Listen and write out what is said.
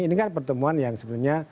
ini kan pertemuan yang sebenarnya